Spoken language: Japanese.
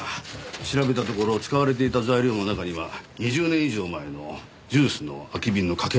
調べたところ使われていた材料の中には２０年以上前のジュースの空き瓶の欠片もありました。